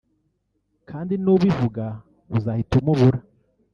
kandi n’ubivuga uzahita umubura”